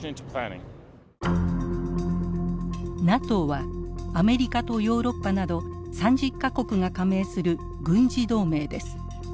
ＮＡＴＯはアメリカとヨーロッパなど３０か国が加盟する軍事同盟です。